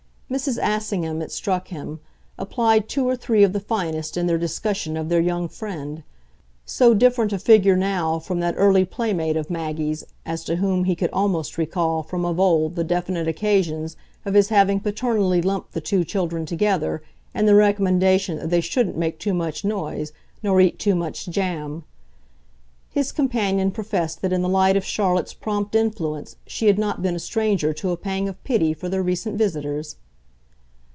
Mrs. Assingham, it struck him, applied two or three of the finest in their discussion of their young friend so different a figure now from that early playmate of Maggie's as to whom he could almost recall from of old the definite occasions of his having paternally lumped the two children together in the recommendation that they shouldn't make too much noise nor eat too much jam. His companion professed that in the light of Charlotte's prompt influence she had not been a stranger to a pang of pity for their recent visitors.